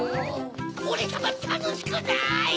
オレさまたのしくない！